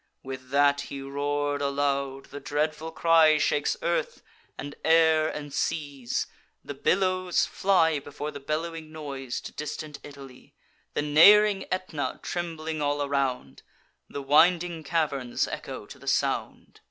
With that he roar'd aloud: the dreadful cry Shakes earth, and air, and seas; the billows fly Before the bellowing noise to distant Italy. The neighb'ring Aetna trembling all around, The winding caverns echo to the sound.